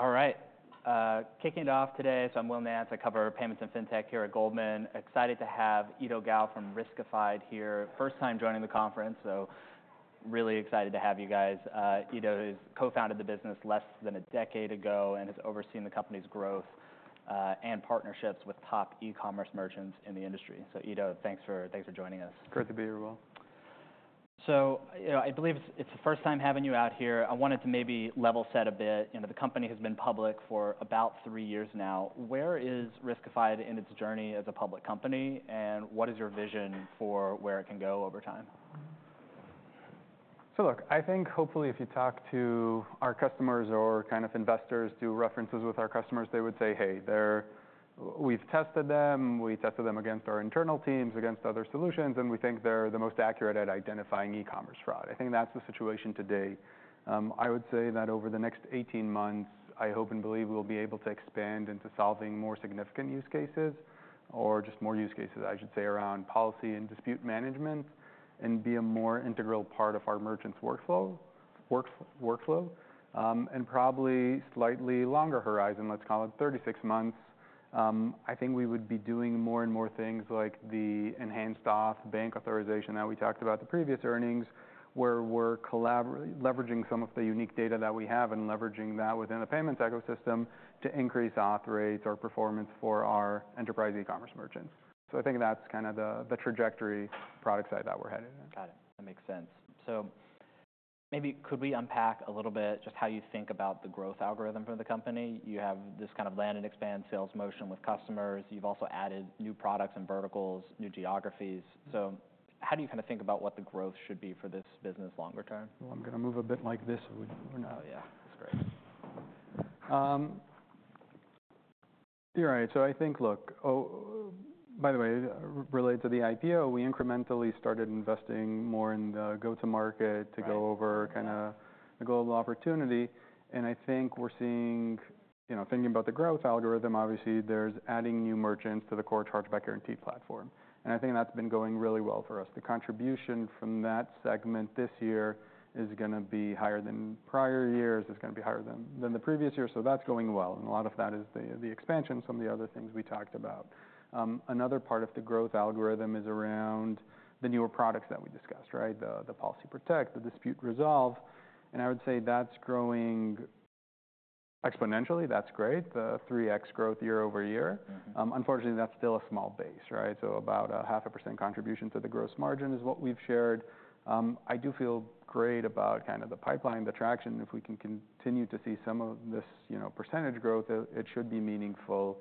All right, kicking it off today, so I'm Will Nance. I cover payments and fintech here at Goldman. Excited to have Eido Gal from Riskified here. First time joining the conference, so really excited to have you guys. Eido has co-founded the business less than a decade ago and has overseen the company's growth and partnerships with top e-commerce merchants in the industry. So Eido, thanks for joining us. Great to be here, Will. You know, I believe it's the first time having you out here. I wanted to maybe level set a bit. You know, the company has been public for about three years now. Where is Riskified in its journey as a public company, and what is your vision for where it can go over time? So look, I think hopefully if you talk to our customers or kind of investors, do references with our customers, they would say, "Hey, they're... We've tested them, we tested them against our internal teams, against other solutions, and we think they're the most accurate at identifying e-commerce fraud." I think that's the situation today. I would say that over the next eighteen months, I hope and believe we'll be able to expand into solving more significant use cases, or just more use cases, I should say, around policy and dispute management, and be a more integral part of our merchants workflow, workflow. And probably slightly longer horizon, let's call it thirty-six months. I think we would be doing more and more things like the enhanced auth bank authorization that we talked about the previous earnings, where we're leveraging some of the unique data that we have and leveraging that within the payments ecosystem to increase auth rates or performance for our enterprise e-commerce merchants. So I think that's kind of the trajectory product side that we're headed in. Got it. That makes sense. So maybe could we unpack a little bit just how you think about the growth algorithm for the company? You have this kind of land and expand sales motion with customers. You've also added new products and verticals, new geographies. So how do you kind of think about what the growth should be for this business longer term? I'm gonna move a bit like this. Oh, yeah, that's great. You're right. So I think, look, oh, by the way, related to the IPO, we incrementally started investing more in the go-to-market- Right to go over kinda the global opportunity. And I think we're seeing, you know, thinking about the growth algorithm, obviously, there's adding new merchants to the core Chargeback Guarantee platform, and I think that's been going really well for us. The contribution from that segment this year is gonna be higher than prior years. It's gonna be higher than the previous year, so that's going well, and a lot of that is the expansion, some of the other things we talked about. Another part of the growth algorithm is around the newer products that we discussed, right? The Policy Protect, the Dispute Resolve, and I would say that's growing exponentially. That's great, the three X growth year over year. Mm-hmm. Unfortunately, that's still a small base, right? So about 0.5% contribution to the gross margin is what we've shared. I do feel great about kind of the pipeline, the traction. If we can continue to see some of this, you know, percentage growth, it should be meaningful,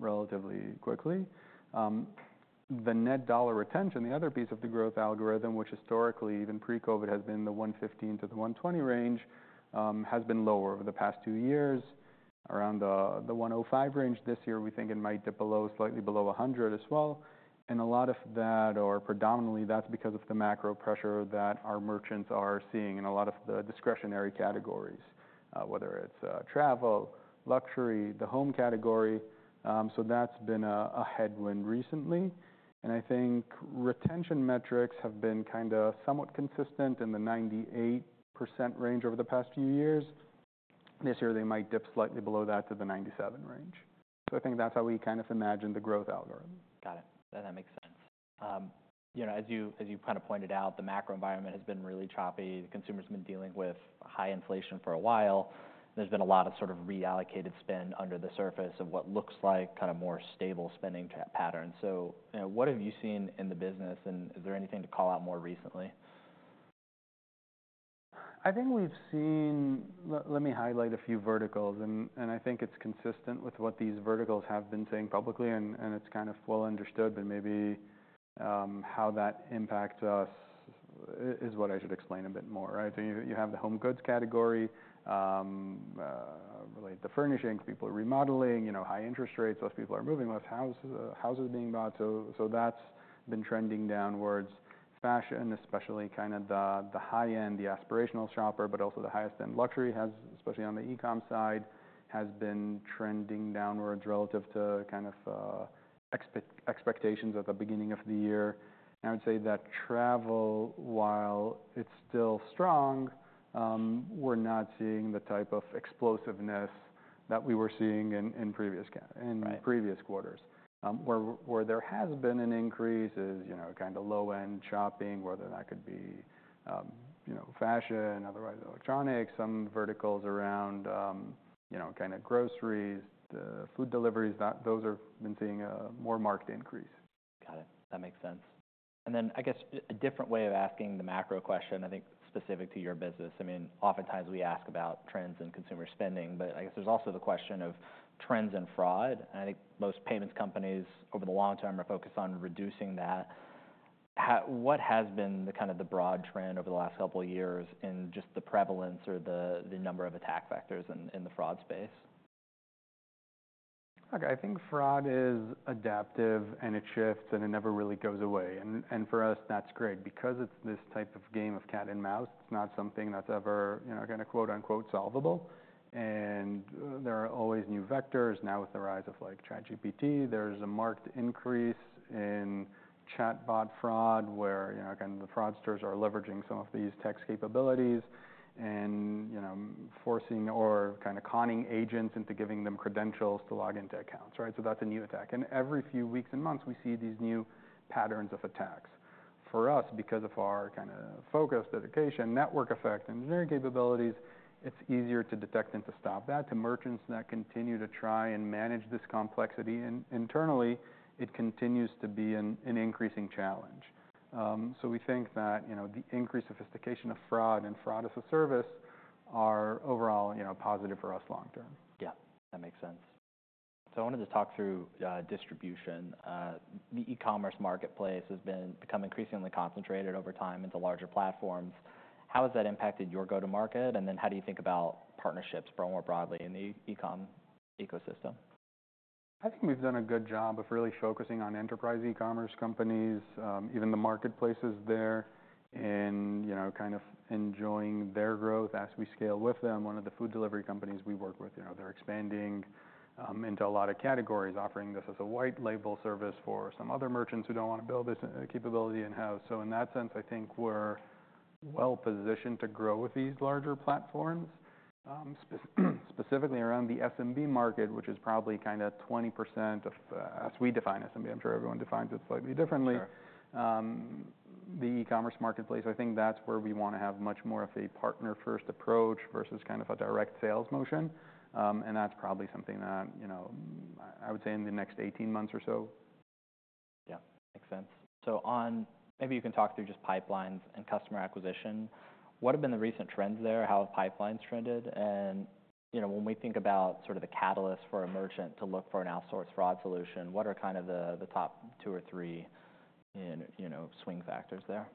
relatively quickly. The net dollar retention, the other piece of the growth algorithm, which historically, even pre-COVID, has been the 115%-120% range, has been lower over the past two years, around the 105% range. This year, we think it might dip below, slightly below 100% as well. And a lot of that, or predominantly, that's because of the macro pressure that our merchants are seeing in a lot of the discretionary categories, whether it's travel, luxury, the home category. That's been a headwind recently, and I think retention metrics have been kinda somewhat consistent in the 98% range over the past few years. This year, they might dip slightly below that to the 97% range. I think that's how we kind of imagine the growth algorithm. Got it. That makes sense. You know, as you, as you've kind of pointed out, the macro environment has been really choppy. The consumer's been dealing with high inflation for a while. There's been a lot of sort of reallocated spend under the surface of what looks like kind of more stable spending patterns. So, you know, what have you seen in the business, and is there anything to call out more recently? I think we've seen. Let me highlight a few verticals, and I think it's consistent with what these verticals have been saying publicly, and it's kind of well understood, but maybe how that impacts us is what I should explain a bit more, right? So you have the home goods category, relate to furnishings, people are remodeling, you know, high interest rates, less people are moving, less houses, houses being bought. So that's been trending downwards. Fashion, especially kinda the high-end, the aspirational shopper, but also the highest end luxury has, especially on the e-com side, has been trending downwards relative to kind of expectations at the beginning of the year. And I would say that travel, while it's still strong, we're not seeing the type of explosiveness that we were seeing in previous ca- Right... in previous quarters. Where there has been an increase is, you know, kind of low-end shopping, whether that could be, you know, fashion, otherwise electronics, some verticals around, you know, kind of groceries, the food deliveries, those have been seeing a more marked increase. Got it. That makes sense. And then, I guess, a different way of asking the macro question, I think specific to your business, I mean, oftentimes we ask about trends in consumer spending, but I guess there's also the question of trends in fraud, and I think most payments companies, over the long term, are focused on reducing that. What has been the kind of broad trend over the last couple of years in just the prevalence or the number of attack vectors in the fraud space? Look, I think fraud is adaptive, and it shifts, and it never really goes away. And, and for us, that's great. Because it's this type of game of cat and mouse, it's not something that's ever, you know, gonna quote, unquote, "solvable." And there are always new vectors. Now, with the rise of, like, ChatGPT, there's a marked increase in chatbot fraud, where, you know, again, the fraudsters are leveraging some of these text capabilities and, you know, forcing or kind of conning agents into giving them credentials to log into accounts, right? So that's a new attack, and every few weeks and months, we see these new patterns of attacks. For us, because of our kind of focus, dedication, network effect, and engineering capabilities, it's easier to detect and to stop that. To merchants that continue to try and manage this complexity, and internally, it continues to be an increasing challenge. So we think that, you know, the increased sophistication of fraud and fraud-as-a-service are overall, you know, positive for us long term. Yeah, that makes sense, so I wanted to talk through distribution. The e-commerce marketplace has been become increasingly concentrated over time into larger platforms. How has that impacted your go-to market? And then how do you think about partnerships more broadly in the e-com ecosystem? I think we've done a good job of really focusing on enterprise e-commerce companies, even the marketplaces there, and, you know, kind of enjoying their growth as we scale with them. One of the food delivery companies we work with, you know, they're expanding into a lot of categories, offering this as a white label service for some other merchants who don't want to build this capability in-house. So in that sense, I think we're well-positioned to grow with these larger platforms. Specifically around the SMB market, which is probably kinda 20% of, As we define SMB, I'm sure everyone defines it slightly differently. Sure. The e-commerce marketplace, I think that's where we wanna have much more of a partner-first approach versus kind of a direct sales motion, and that's probably something that, you know, I would say in the next eighteen months or so. Yeah, makes sense. So maybe you can talk through just pipelines and customer acquisition. What have been the recent trends there? How have pipelines trended? And, you know, when we think about sort of the catalyst for a merchant to look for an outsourced fraud solution, what are kind of the top two or three in, you know, swing factors there?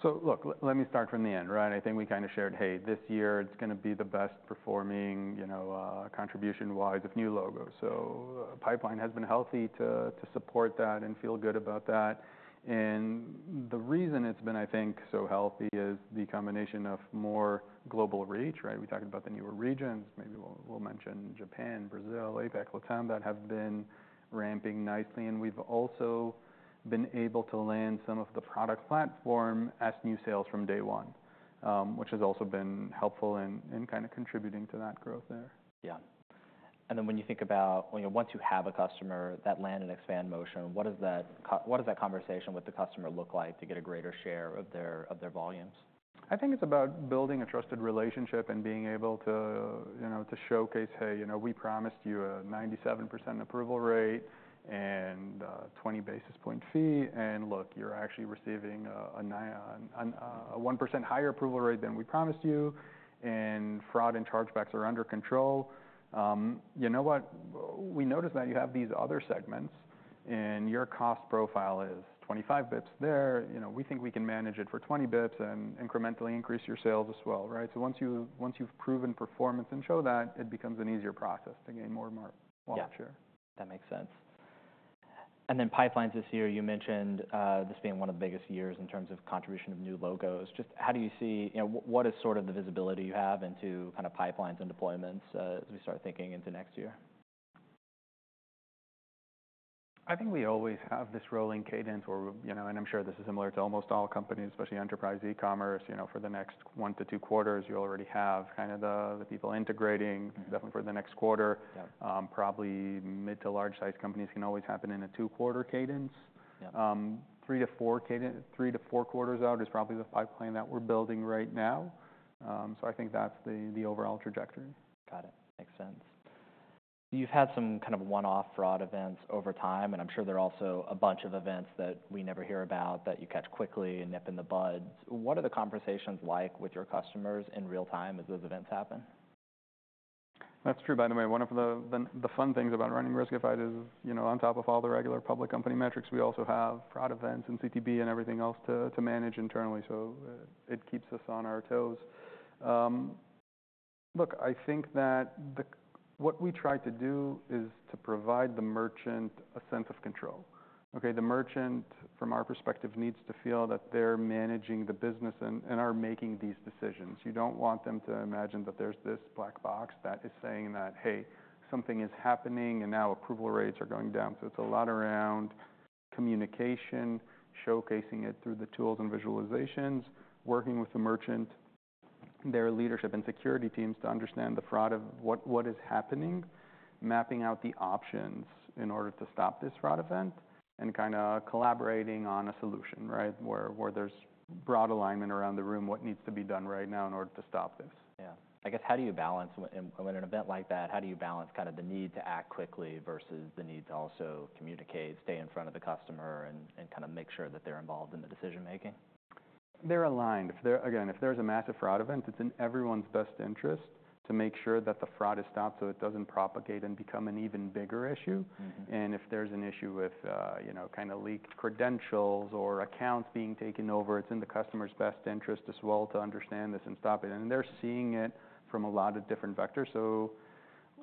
So look, let me start from the end, right? I think we kinda shared, hey, this year it's gonna be the best performing, you know, contribution-wise of new logos. So pipeline has been healthy to support that and feel good about that. And the reason it's been, I think, so healthy is the combination of more global reach, right? We talked about the newer regions. Maybe we'll mention Japan, Brazil, APAC, LATAM, that have been ramping nicely, and we've also been able to land some of the product platform as new sales from day one, which has also been helpful in kinda contributing to that growth there. Yeah, and then when you think about... Once you have a customer, that land and expand motion, what does that conversation with the customer look like to get a greater share of their volumes? I think it's about building a trusted relationship and being able to, you know, to showcase, "Hey, you know, we promised you a 97% approval rate and a twenty basis point fee, and look, you're actually receiving a one percent higher approval rate than we promised you, and fraud and chargebacks are under control. You know what? We noticed that you have these other segments, and your cost profile is twenty-five bits there. You know, we think we can manage it for twenty bits and incrementally increase your sales as well," right? So once you've proven performance and show that, it becomes an easier process to gain more and more volume share. Yeah. That makes sense. And then pipelines this year, you mentioned, this being one of the biggest years in terms of contribution of new logos. Just how do you see... You know, what is sort of the visibility you have into kind of pipelines and deployments, as we start thinking into next year? I think we always have this rolling cadence where, you know, and I'm sure this is similar to almost all companies, especially enterprise e-commerce, you know, for the next one to two quarters, you already have kind of the people integrating- Mm-hmm. - Definitely for the next quarter. Yeah. Probably mid to large-sized companies can always happen in a two-quarter cadence. Yeah. Three to four quarters out is probably the pipeline that we're building right now. So I think that's the overall trajectory. Got it. Makes sense. You've had some kind of one-off fraud events over time, and I'm sure there are also a bunch of events that we never hear about that you catch quickly and nip in the bud. What are the conversations like with your customers in real time as those events happen? That's true. By the way, one of the fun things about running Riskified is, you know, on top of all the regular public company metrics, we also have fraud events and CTB and everything else to manage internally, so it keeps us on our toes. Look, I think that the. What we try to do is to provide the merchant a sense of control. Okay, the merchant, from our perspective, needs to feel that they're managing the business and are making these decisions. You don't want them to imagine that there's this black box that is saying that, "Hey, something is happening, and now approval rates are going down." So it's a lot around communication, showcasing it through the tools and visualizations, working with the merchant, their leadership and security teams, to understand the fraud of what is happening, mapping out the options in order to stop this fraud event, and kinda collaborating on a solution, right? Where there's broad alignment around the room, what needs to be done right now in order to stop this. Yeah. I guess, how do you balance in an event like that kind of the need to act quickly versus the need to also communicate, stay in front of the customer and kinda make sure that they're involved in the decision-making? They're aligned. If there, again, if there's a massive fraud event, it's in everyone's best interest to make sure that the fraud is stopped so it doesn't propagate and become an even bigger issue. Mm-hmm. And if there's an issue with, you know, kinda leaked credentials or accounts being taken over, it's in the customer's best interest as well to understand this and stop it. And they're seeing it from a lot of different vectors, so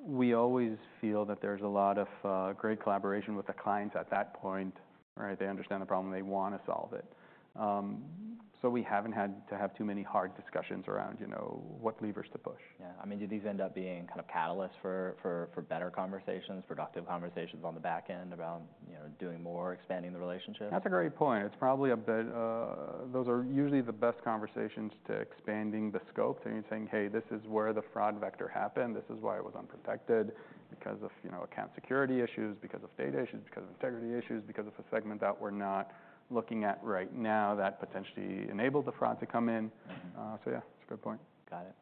we always feel that there's a lot of, great collaboration with the client at that point, right? They understand the problem, they wanna solve it. So we haven't had to have too many hard discussions around, you know, what levers to push. Yeah. I mean, do these end up being kind of catalysts for better conversations, productive conversations on the back end around, you know, doing more, expanding the relationship? That's a great point. It's probably a bit. Those are usually the best conversations to expanding the scope and saying, "Hey, this is where the fraud vector happened. This is why it was unprotected: because of, you know, account security issues, because of data issues, because of integrity issues, because of a segment that we're not looking at right now that potentially enabled the fraud to come in." So yeah, that's a good point. Got it.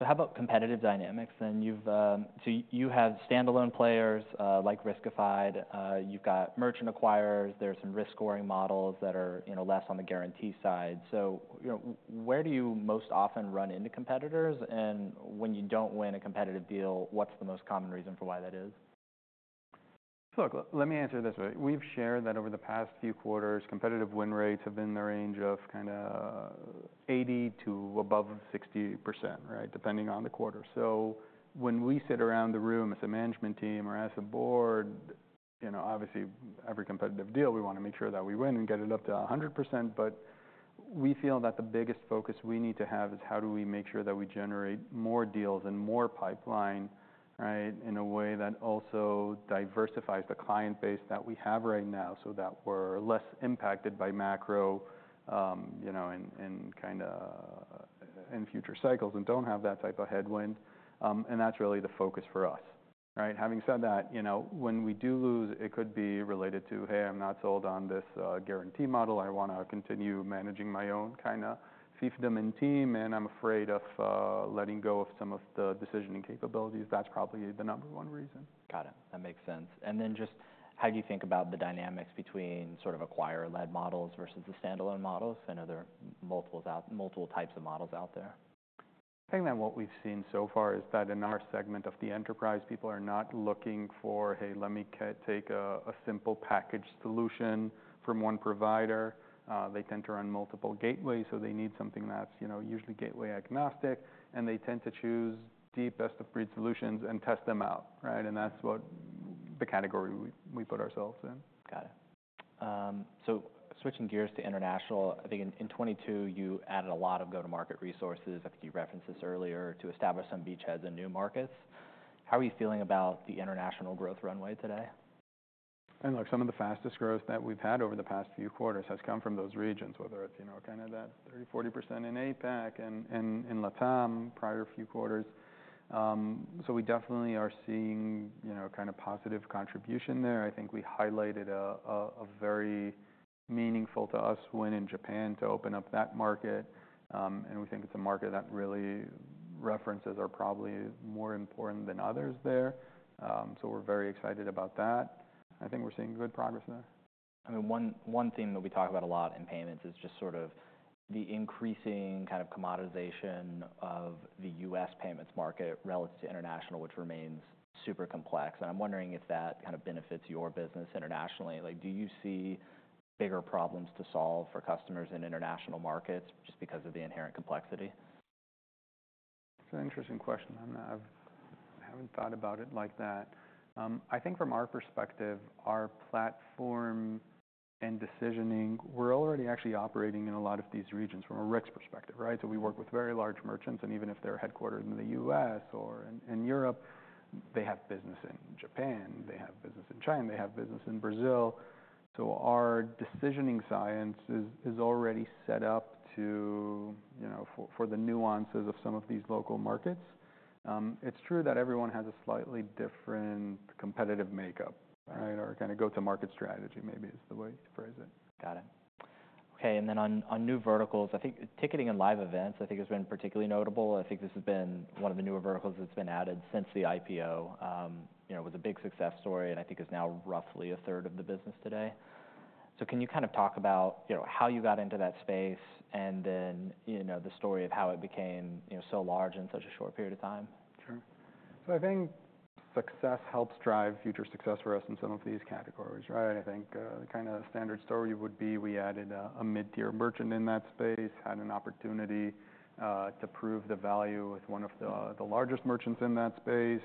So how about competitive dynamics then? You've... So you have standalone players, like Riskified, you've got merchant acquirers. There are some risk scoring models that are, you know, less on the guarantee side. So, you know, where do you most often run into competitors? And when you don't win a competitive deal, what's the most common reason for why that is? Look, let me answer it this way. We've shared that over the past few quarters, competitive win rates have been in the range of kind of 80% to above 60%, right? Depending on the quarter. So when we sit around the room as a management team or as a board, you know, obviously, every competitive deal, we wanna make sure that we win and get it up to a 100%. But we feel that the biggest focus we need to have is: how do we make sure that we generate more deals and more pipeline, right, in a way that also diversifies the client base that we have right now, so that we're less impacted by macro, you know, and kind of in future cycles and don't have that type of headwind, and that's really the focus for us, right? Having said that, you know, when we do lose, it could be related to, "Hey, I'm not sold on this guarantee model. I wanna continue managing my own kinda fiefdom and team, and I'm afraid of letting go of some of the decisioning capabilities." That's probably the number one reason. Got it. That makes sense. Then just how do you think about the dynamics between sort of acquire-led models versus the standalone models? I know there are multiple types of models out there. I think that what we've seen so far is that in our segment of the enterprise, people are not looking for, "Hey, let me take a simple package solution from one provider." They tend to run multiple gateways, so they need something that's, you know, usually gateway agnostic, and they tend to choose the best-of-breed solutions and test them out, right? And that's what the category we put ourselves in. Got it. So switching gears to international, I think in 2022, you added a lot of go-to-market resources, I think you referenced this earlier, to establish some beachheads in new markets. How are you feeling about the international growth runway today? Look, some of the fastest growth that we've had over the past few quarters has come from those regions, whether it's, you know, kinda that 30-40% in APAC and in LATAM prior few quarters. So we definitely are seeing, you know, kind of positive contribution there. I think we highlighted a very meaningful to us win in Japan to open up that market. And we think it's a market that really referrals are probably more important than others there. So we're very excited about that. I think we're seeing good progress there. I mean, one theme that we talk about a lot in payments is just sort of the increasing kind of commoditization of the U.S. payments market relative to international, which remains super complex, and I'm wondering if that kind of benefits your business internationally. Like, do you see bigger problems to solve for customers in international markets just because of the inherent complexity? It's an interesting question. I haven't thought about it like that. I think from our perspective, our platform and decisioning, we're already actually operating in a lot of these regions from a risk perspective, right? So we work with very large merchants, and even if they're headquartered in the U.S. or in Europe, they have business in Japan, they have business in China, they have business in Brazil. So our decisioning science is already set up to, you know, for the nuances of some of these local markets. It's true that everyone has a slightly different competitive makeup, right? Or kinda go-to-market strategy, maybe is the way to phrase it. Got it. Okay, and then on, on new verticals, I think ticketing and live events, I think, has been particularly notable. I think this has been one of the newer verticals that's been added since the IPO. You know, it was a big success story, and I think it's now roughly a third of the business today. So can you kind of talk about, you know, how you got into that space, and then, you know, the story of how it became, you know, so large in such a short period of time? Sure. So I think success helps drive future success for us in some of these categories, right? I think the kinda standard story would be we added a mid-tier merchant in that space, had an opportunity to prove the value with one of the largest merchants in that space,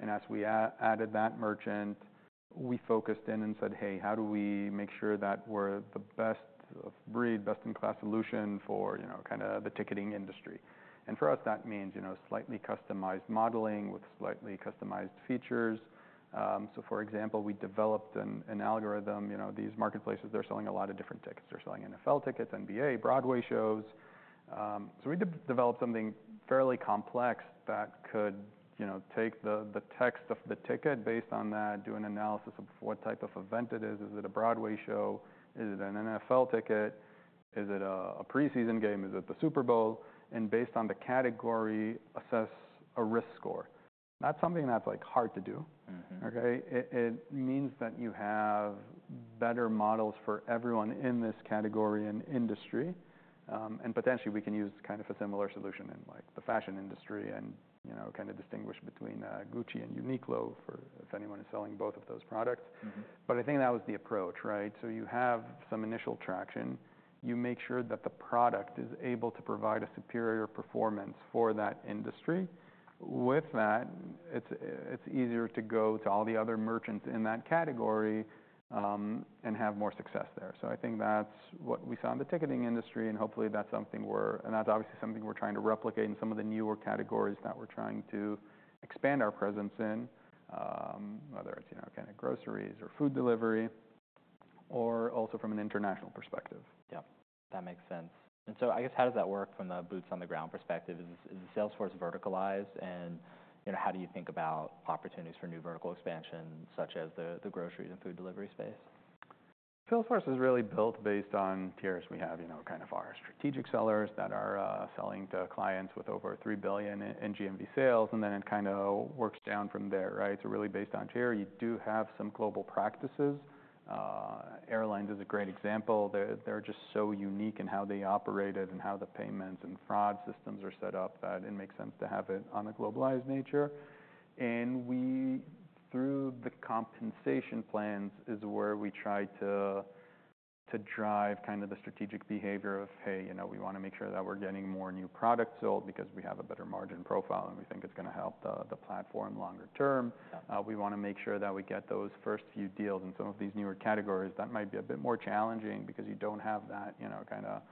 and as we added that merchant, we focused in and said, "Hey, how do we make sure that we're the best of breed, best-in-class solution for, you know, kinda the ticketing industry?" And for us, that means, you know, slightly customized modeling with slightly customized features. So for example, we developed an algorithm. You know, these marketplaces, they're selling a lot of different tickets. They're selling NFL tickets, NBA, Broadway shows. So we developed something fairly complex that could, you know, take the text of the ticket, based on that, do an analysis of what type of event it is. Is it a Broadway show? Is it an NFL ticket? Is it a preseason game? Is it the Super Bowl? And based on the category, assess a risk score. That's something that's, like, hard to do. Mm-hmm. Okay? It means that you have better models for everyone in this category and industry, and potentially we can use kind of a similar solution in, like, the fashion industry and, you know, kinda distinguish between Gucci and Uniqlo for if anyone is selling both of those products. Mm-hmm. But I think that was the approach, right? So you have some initial traction. You make sure that the product is able to provide a superior performance for that industry. With that, it's easier to go to all the other merchants in that category and have more success there. So I think that's what we saw in the ticketing industry, and hopefully that's obviously something we're trying to replicate in some of the newer categories that we're trying to expand our presence in, whether it's, you know, kind of groceries or food delivery, or also from an international perspective. Yep, that makes sense. And so I guess, how does that work from the boots-on-the-ground perspective? Is the sales force verticalized? And, you know, how do you think about opportunities for new vertical expansion, such as the groceries and food delivery space? Sales force is really built based on tiers. We have, you know, kind of our strategic sellers that are selling to clients with over $3 billion in GMV sales, and then it kind of works down from there, right? So really based on tier. You do have some global practices. Airlines is a great example. They're just so unique in how they operate it and how the payments and fraud systems are set up, that it makes sense to have it on a globalized nature. And we, through the compensation plans, is where we try to drive kind of the strategic behavior of, hey, you know, we wanna make sure that we're getting more new products sold because we have a better margin profile, and we think it's gonna help the platform longer term. Yeah. We wanna make sure that we get those first few deals in some of these newer categories. That might be a bit more challenging because you don't have that, you know, kinda,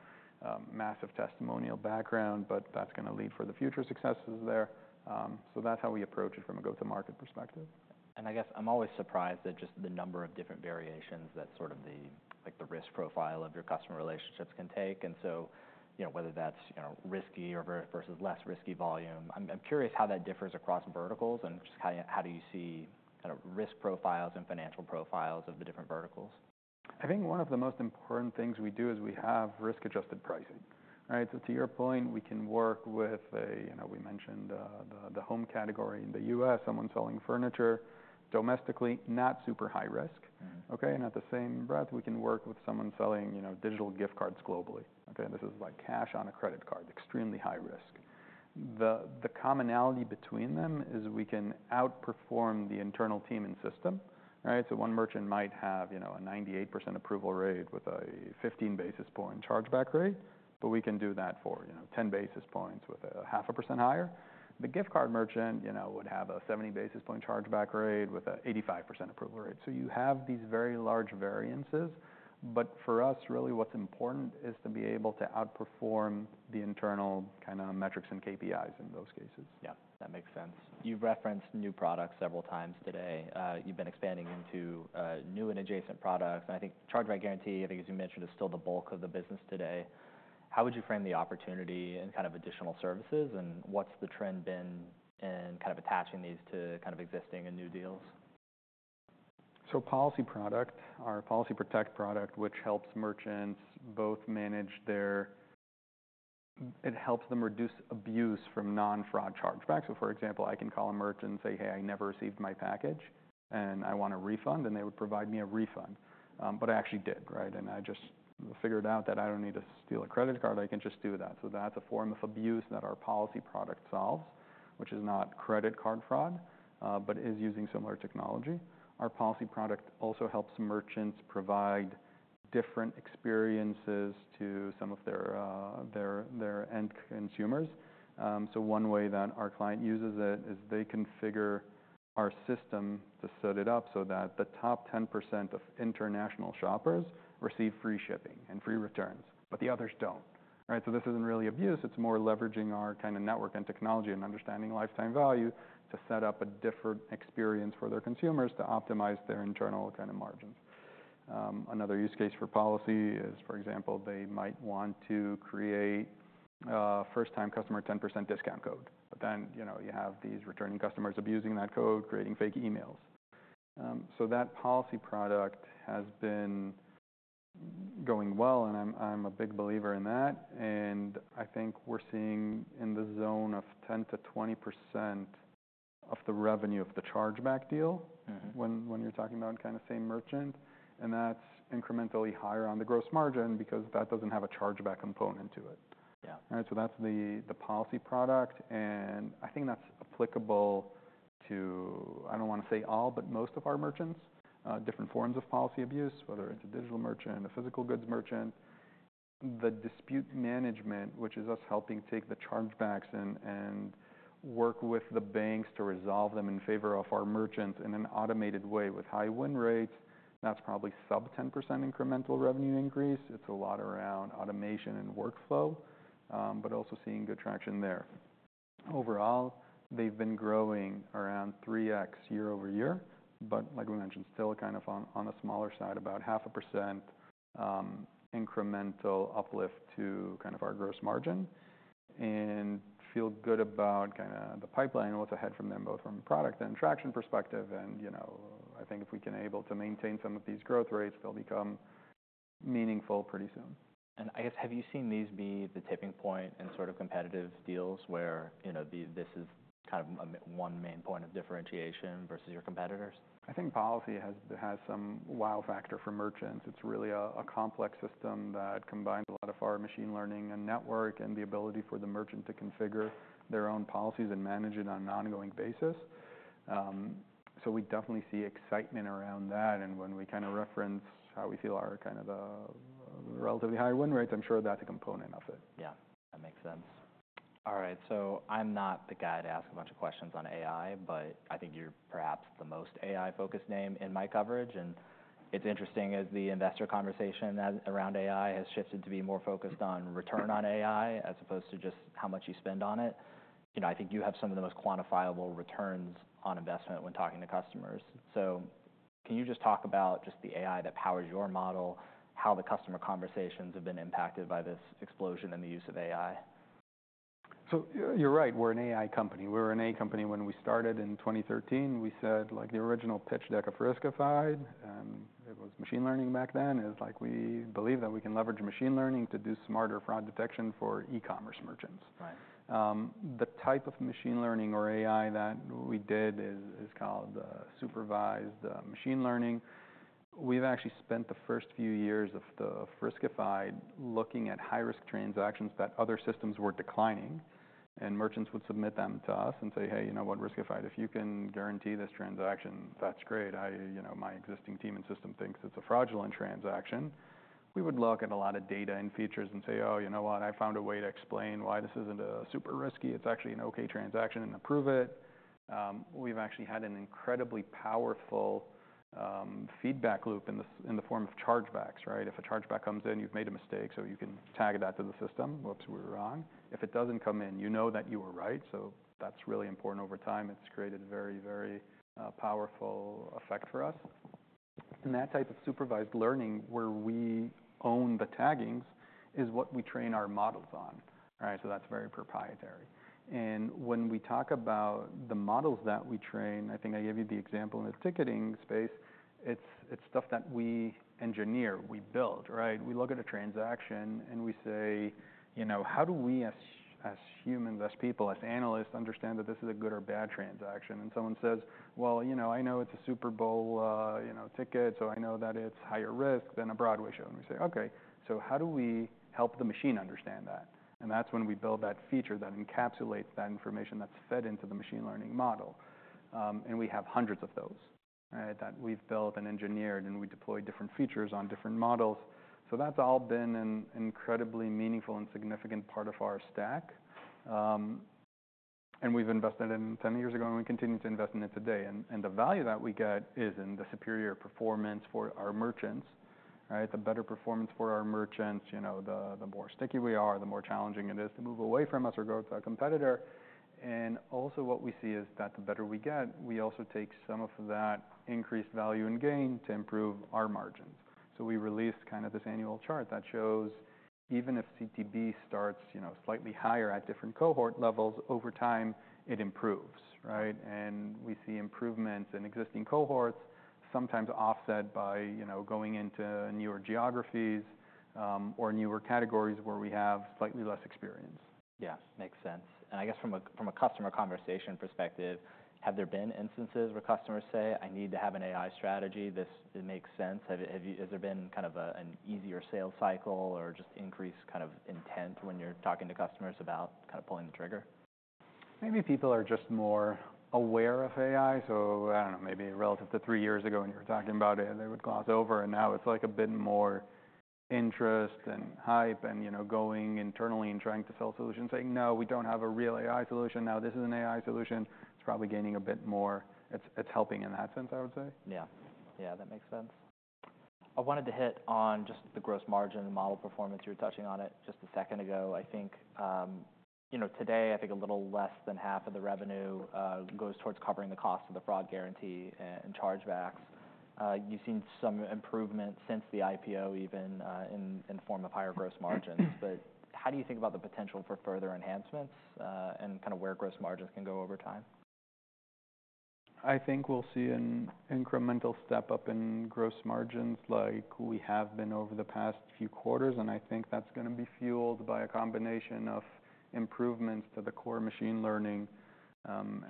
massive testimonial background, but that's gonna lead for the future successes there. So that's how we approach it from a go-to-market perspective. I guess I'm always surprised at just the number of different variations that sort of, like, the risk profile of your customer relationships can take. So, you know, whether that's, you know, risky or versus less risky volume, I'm curious how that differs across verticals, and just how do you see the risk profiles and financial profiles of the different verticals? I think one of the most important things we do is we have risk-adjusted pricing, right? So to your point, we can work with a... You know, we mentioned the home category in the U.S., someone selling furniture domestically, not super high risk. Mm-hmm. Okay, and at the same breath, we can work with someone selling, you know, digital gift cards globally. Okay, this is like cash on a credit card, extremely high risk. The commonality between them is we can outperform the internal team and system, right? So one merchant might have, you know, a 98% approval rate with a 15 basis point chargeback rate, but we can do that for, you know, 10 basis points with a 0.5% higher. The gift card merchant, you know, would have a 70 basis point chargeback rate with an 85% approval rate. So you have these very large variances, but for us, really what's important is to be able to outperform the internal kinda metrics and KPIs in those cases. Yeah, that makes sense. You've referenced new products several times today. You've been expanding into new and adjacent products, and I think Chargeback Guarantee, I think as you mentioned, is still the bulk of the business today. How would you frame the opportunity and kind of additional services, and what's the trend been in kind of attaching these to kind of existing and new deals? Policy product, our Policy Protect product, which helps merchants both manage their. It helps them reduce abuse from non-fraud chargebacks. For example, I can call a merchant and say, "Hey, I never received my package and I want a refund," and they would provide me a refund. But I actually did, right? And I just figured out that I don't need to steal a credit card, I can just do that. That's a form of abuse that our Policy Protect product solves, which is not credit card fraud, but is using similar technology. Our Policy Protect product also helps merchants provide different experiences to some of their end consumers. So one way that our client uses it is they configure our system to set it up so that the top 10% of international shoppers receive free shipping and free returns, but the others don't. Right? So this isn't really abuse, it's more leveraging our kinda network and technology and understanding lifetime value, to set up a different experience for their consumers to optimize their internal kinda margin. Another use case for policy is, for example, they might want to create a first-time customer 10% discount code. But then, you know, you have these returning customers abusing that code, creating fake emails. So that policy product has been going well, and I'm a big believer in that. And I think we're seeing in the zone of 10%-20% of the revenue of the chargeback deal- Mm-hmm... when you're talking about kinda same merchant. And that's incrementally higher on the gross margin, because that doesn't have a chargeback component to it. Yeah. All right, so that's the, the policy product, and I think that's applicable to, I don't wanna say all, but most of our merchants. Different forms of policy abuse, whether it's a digital merchant, a physical goods merchant. The dispute management, which is us helping take the chargebacks and, and work with the banks to resolve them in favor of our merchant in an automated way with high win rates, that's probably sub-10% incremental revenue increase. It's a lot around automation and workflow, but also seeing good traction there. Overall, they've been growing around 3x year over year, but like we mentioned, still kind of on the smaller side, about 0.5%, incremental uplift to kind of our gross margin. Feel good about kinda the pipeline, what's ahead from them, both from a product and traction perspective and, you know, I think if we can able to maintain some of these growth rates, they'll become meaningful pretty soon. I guess, have you seen these be the tipping point in sort of competitive deals where, you know, this is kind of a one main point of differentiation versus your competitors? I think policy has some wow factor for merchants. It's really a complex system that combines a lot of our machine learning and network, and the ability for the merchant to configure their own policies and manage it on an ongoing basis. So we definitely see excitement around that, and when we kinda reference how we feel are kind of the relatively high win rates, I'm sure that's a component of it. Yeah, that makes sense. All right, so I'm not the guy to ask a bunch of questions on AI, but I think you're perhaps the most AI-focused name in my coverage, and it's interesting as the investor conversation around AI has shifted to be more focused on return on AI, as opposed to just how much you spend on it. You know, I think you have some of the most quantifiable returns on investment when talking to customers. So can you just talk about just the AI that powers your model, how the customer conversations have been impacted by this explosion in the use of AI? So you're right, we're an AI company. We were an AI company when we started in 2013. We said, like, the original pitch deck of Riskified, it was machine learning back then, and it's like, we believe that we can leverage machine learning to do smarter fraud detection for e-commerce merchants. Right. The type of machine learning or AI that we did is called supervised machine learning. We've actually spent the first few years of the Riskified looking at high-risk transactions that other systems were declining, and merchants would submit them to us and say, "Hey, you know what, Riskified, if you can guarantee this transaction, that's great. You know, my existing team and system thinks it's a fraudulent transaction." We would look at a lot of data and features and say, "Oh, you know what? I found a way to explain why this isn't super risky. It's actually an okay transaction," and approve it. We've actually had an incredibly powerful feedback loop in the form of chargebacks, right? If a chargeback comes in, you've made a mistake, so you can tag it out to the system, "Whoops, we were wrong." If it doesn't come in, you know that you were right, so that's really important over time. It's created a very, very, powerful effect for us. And that type of supervised learning, where we own the taggings, is what we train our models on, right? So that's very proprietary. And when we talk about the models that we train, I think I gave you the example in the ticketing space, it's, it's stuff that we engineer, we build, right? We look at a transaction and we say, "You know, how do we as humans, as people, as analysts, understand that this is a good or bad transaction?" And someone says, "Well, you know, I know it's a Super Bowl, you know, ticket, so I know that it's higher risk than a Broadway show." And we say, "Okay, so how do we help the machine understand that?" And that's when we build that feature that encapsulates that information that's fed into the machine learning model. And we have hundreds of those, right? That we've built and engineered, and we deploy different features on different models. So that's all been an incredibly meaningful and significant part of our stack. And we've invested in ten years ago, and we continue to invest in it today. And the value that we get is in the superior performance for our merchants, right? The better performance for our merchants, you know, the more sticky we are, the more challenging it is to move away from us or go to our competitor. And also what we see is that the better we get, we also take some of that increased value and gain to improve our margins. So we released kind of this annual chart that shows even if CTB starts, you know, slightly higher at different cohort levels, over time, it improves, right? And we see improvements in existing cohorts, sometimes offset by, you know, going into newer geographies, or newer categories where we have slightly less experience. Yeah, makes sense. And I guess from a customer conversation perspective, have there been instances where customers say, "I need to have an AI strategy? This it makes sense." Has there been kind of an easier sales cycle or just increased kind of intent when you're talking to customers about kind of pulling the trigger? Maybe people are just more aware of AI, so I don't know, maybe relative to three years ago when you were talking about it, and they would gloss over, and now it's like a bit more interest and hype and, you know, going internally and trying to sell solutions, saying, "No, we don't have a real AI solution. Now, this is an AI solution." It's probably gaining a bit more... It's, it's helping in that sense, I would say. Yeah. Yeah, that makes sense. I wanted to hit on just the gross margin and model performance. You were touching on it just a second ago. I think, you know, today, I think a little less than half of the revenue goes towards covering the cost of the fraud guarantee and chargebacks. You've seen some improvement since the IPO, even, in form of higher gross margins. But how do you think about the potential for further enhancements, and kind of where gross margins can go over time? I think we'll see an incremental step-up in gross margins like we have been over the past few quarters, and I think that's gonna be fueled by a combination of improvements to the core machine learning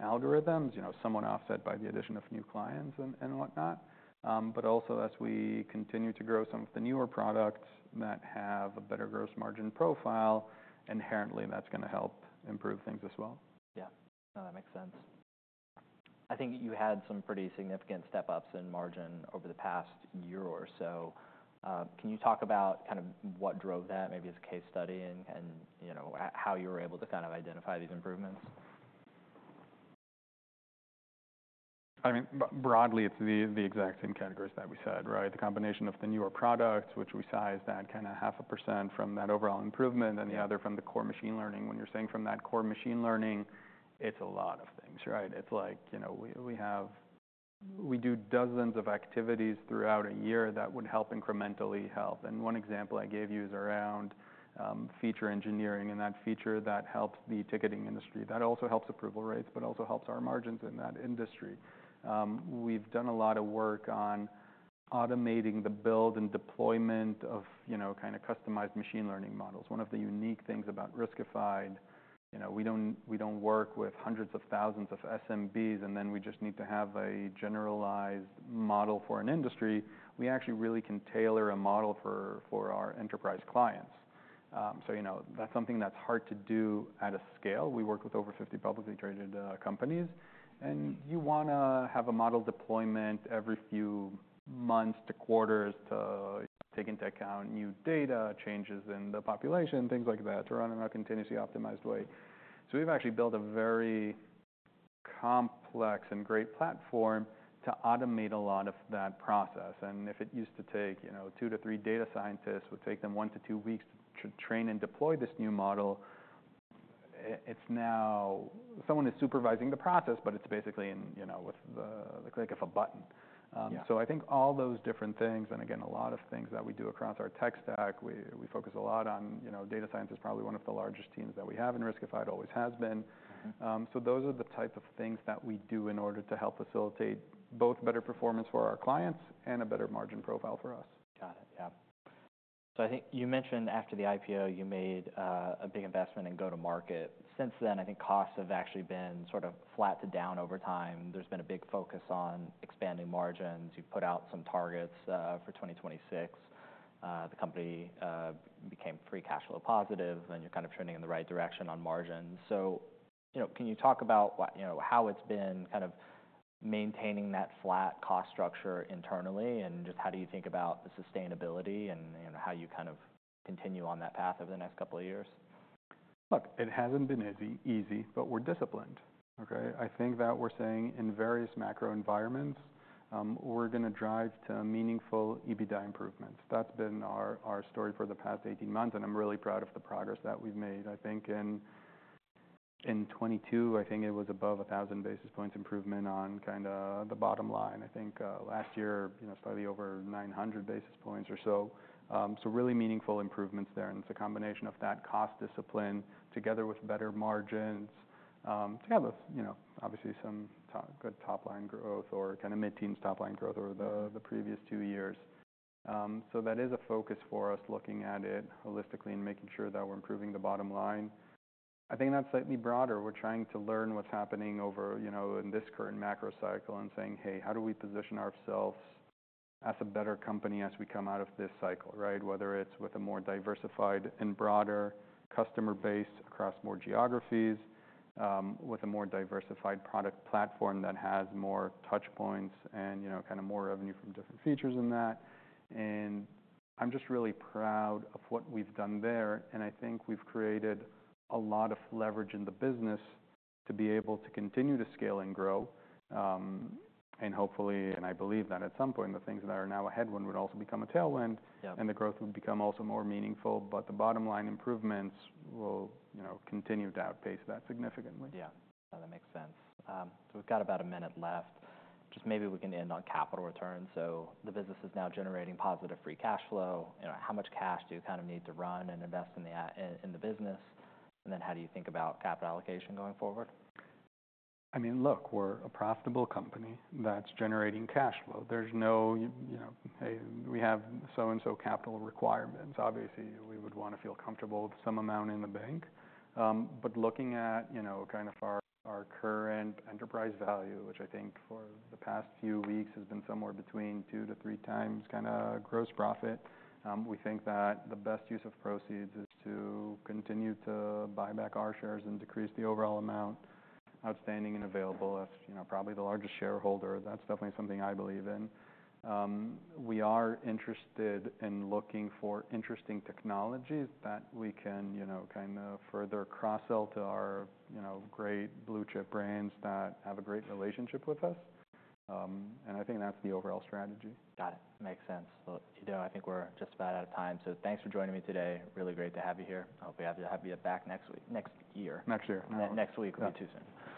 algorithms, you know, somewhat offset by the addition of new clients and whatnot. But also as we continue to grow some of the newer products that have a better gross margin profile, inherently, that's gonna help improve things as well. Yeah. No, that makes sense. I think you had some pretty significant step-ups in margin over the past year or so. Can you talk about kind of what drove that, maybe as a case study, and you know, how you were able to kind of identify these improvements? I mean, broadly, it's the exact same categories that we said, right? The combination of the newer products, which we size that kind of 0.5% from that overall improvement- Yeah... and the other from the core machine learning. When you're saying from that core machine learning, it's a lot of things, right? It's like, you know, we do dozens of activities throughout a year that would help incrementally. And one example I gave you is around feature engineering and that feature that helps the ticketing industry. That also helps approval rates, but also helps our margins in that industry. We've done a lot of work on automating the build and deployment of, you know, kind of customized machine learning models. One of the unique things about Riskified, you know, we don't, we don't work with hundreds of thousands of SMBs, and then we just need to have a generalized model for an industry. We actually really can tailor a model for our enterprise clients. You know, that's something that's hard to do at a scale. We work with over 50 publicly traded companies, and you wanna have a model deployment every few months to quarters to take into account new data, changes in the population, things like that, to run in a continuously optimized way. So we've actually built a very complex and great platform to automate a lot of that process. And if it used to take, you know, two to three data scientists would take them one to two weeks to train and deploy this new model. It's now someone is supervising the process, but it's basically, you know, with the click of a button. Yeah. So I think all those different things, and again, a lot of things that we do across our tech stack, we focus a lot on. You know, data science is probably one of the largest teams that we have in Riskified, always has been. Mm-hmm. Those are the type of things that we do in order to help facilitate both better performance for our clients and a better margin profile for us. Got it. Yeah. So I think you mentioned after the IPO, you made a big investment in go-to-market. Since then, I think costs have actually been sort of flat to down over time. There's been a big focus on expanding margins. You've put out some targets for twenty twenty-six. The company became free cash flow positive, and you're kind of trending in the right direction on margins. So, you know, can you talk about what you know, how it's been kind of maintaining that flat cost structure internally, and just how do you think about the sustainability and how you kind of continue on that path over the next couple of years? Look, it hasn't been easy, but we're disciplined. Okay? I think that we're saying in various macro environments, we're gonna drive to meaningful EBITDA improvements. That's been our story for the past eighteen months, and I'm really proud of the progress that we've made. I think in twenty twenty-two, I think it was above a thousand basis points improvement on kinda the bottom line. I think last year, you know, slightly over nine hundred basis points or so. So really meaningful improvements there, and it's a combination of that cost discipline together with better margins, together, you know, obviously some good top line growth or kinda mid-teen's top line growth. Yeah... over the previous two years. So that is a focus for us, looking at it holistically and making sure that we're improving the bottom line. I think that's slightly broader. We're trying to learn what's happening over, you know, in this current macro cycle and saying, "Hey, how do we position ourselves as a better company as we come out of this cycle?" Right? Whether it's with a more diversified and broader customer base across more geographies, with a more diversified product platform that has more touch points and, you know, kinda more revenue from different features in that. And I'm just really proud of what we've done there, and I think we've created a lot of leverage in the business to be able to continue to scale and grow. And hopefully, and I believe that at some point, the things that are now a headwind would also become a tailwind- Yeah... and the growth would become also more meaningful, but the bottom line improvements will, you know, continue to outpace that significantly. Yeah, that makes sense. So we've got about a minute left. Just maybe we can end on capital returns. So the business is now generating positive free cash flow. You know, how much cash do you kind of need to run and invest in the business? And then, how do you think about capital allocation going forward? I mean, look, we're a profitable company that's generating cash flow. There's no, you know, "Hey, we have so and so capital requirements." Obviously, we would wanna feel comfortable with some amount in the bank. But looking at, you know, kind of our current enterprise value, which I think for the past few weeks has been somewhere between 2-3 times kinda gross profit, we think that the best use of proceeds is to continue to buy back our shares and decrease the overall amount outstanding and available. As, you know, probably the largest shareholder, that's definitely something I believe in. We are interested in looking for interesting technologies that we can, you know, kind of further cross-sell to our, you know, great blue chip brands that have a great relationship with us, and I think that's the overall strategy. Got it. Makes sense. Look, you know, I think we're just about out of time, so thanks for joining me today. Really great to have you here. I hope to have you back next week... next year. Next year. Next week would be too soon.